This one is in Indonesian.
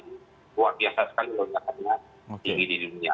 jadi luar biasa sekali pelonjakan ini di dunia